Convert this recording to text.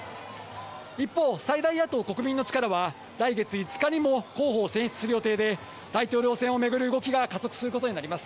一方、最大野党・国民の力は来月５日にも候補を選出する予定で、大統領選を巡る動きが加速することになります。